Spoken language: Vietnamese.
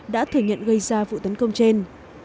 đã thể nhận gây ra vụ tấn công trên